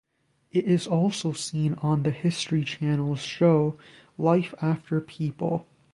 It is also seen on the History Channel's show Life After People.